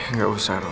nggak usah roro